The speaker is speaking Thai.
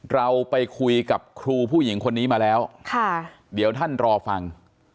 เราไปคุยกับครูผู้หญิงคนนี้มาแล้วค่ะเดี๋ยวท่านรอฟัง